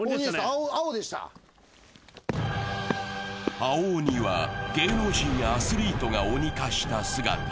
青鬼は、芸能人やアスリートが鬼化した姿。